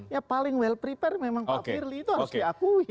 ya paling well prepared memang pak firly itu harus diakui